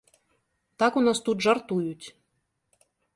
Так у нас тут жартуюць.